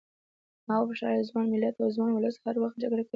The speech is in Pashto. ما وپوښتل ایا ځوان ملت او ځوان ولس هر وخت جګړه ګټي.